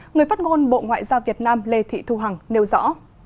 người phát ngôn bộ ngoại giao việt nam lê thị thu hằng nêu rõ